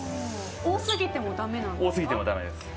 多すぎてもだめなんですか？